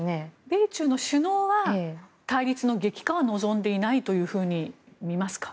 米中の首脳は対立の激化は望んでいないと見ますか？